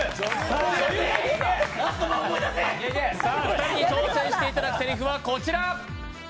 ２人に挑戦していただくせりふはこちら。